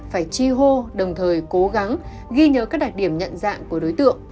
phải chi hô đồng thời cố gắng ghi nhớ các đặc điểm nhận dạng của đối tượng